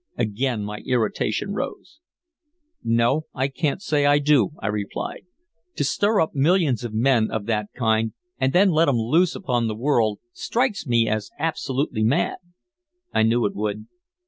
Again my irritation rose. "No, I can't say I do," I replied. "To stir up millions of men of that kind and then let 'em loose upon the world strikes me as absolutely mad!" "I knew it would."